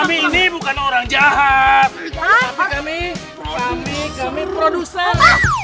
ini bukan orang jahat kami kami kami produser